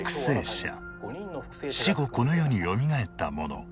死後この世によみがえった者。